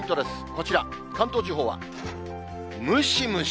こちら、関東地方はムシムシ。